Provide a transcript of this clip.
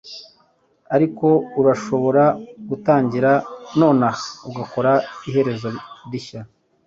ariko urashobora gutangira nonaha ugakora iherezo rishya.”